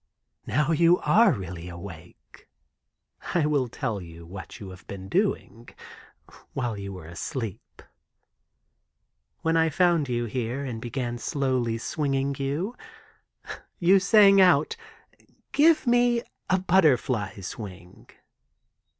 "Now you are really awake, I will tell you what you have been doing while you were asleep. When I found you here and began slowly swinging you, you sang out: 'Give me a butterfly's wing.